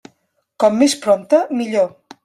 Com més prompte millor.